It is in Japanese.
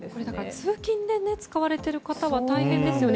通勤で使われている方は大変ですよね。